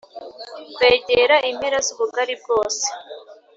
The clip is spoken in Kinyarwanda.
kwegera impera z'ubugari bwose